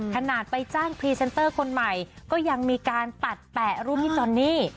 ขนาดไปจ้างพรีเซนเตอร์คนใหม่ก็ยังมีการตัดแปะรูปที่จอนนี่